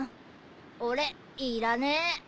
俺いらねえ。